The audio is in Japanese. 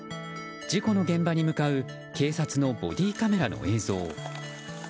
事故の現場に向かう警察のボディーカメラの映像。